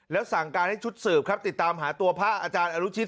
แล้วสั่งการให้ชุดสืบครับติดตามหาตัวพระอาจารย์อนุชิต